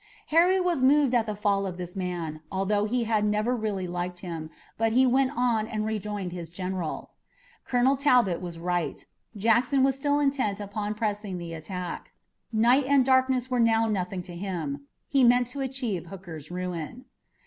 Harry was moved at the fall of this man, although he had never really liked him, but he went on and rejoined his general. Colonel Talbot was right. Jackson was still intent upon pressing the attack. Night and darkness were now nothing to him. He meant to achieve Hooker's ruin.